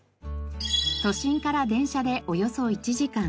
都心から電車でおよそ１時間。